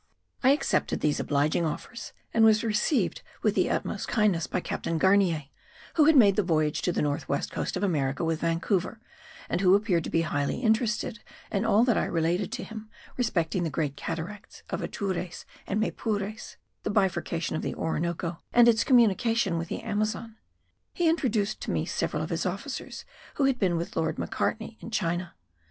I accepted these obliging offers and was received with the utmost kindness by Captain Garnier, who had made the voyage to the north west coast of America with Vancouver, and who appeared to be highly interested in all I related to him respecting the great cataracts of Atures and Maypures, the bifurcation of the Orinoco and its communication with the Amazon. He introduced to me several of his officers who had been with Lord Macartney in China.